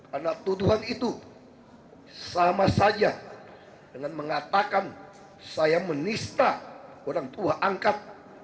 karena tuduhan itu sama saja dengan mengatakan saya menista orang tua angkat